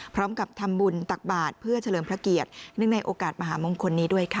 พร้อมกับทำบุญตักบาทเพื่อเฉลิมพระเกียรติเนื่องในโอกาสมหามงคลนี้ด้วยค่ะ